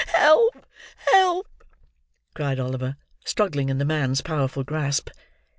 Help! help!" cried Oliver, struggling in the man's powerful grasp.